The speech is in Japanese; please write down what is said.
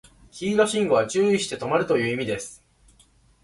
黄色信号は注意して止まるという意味です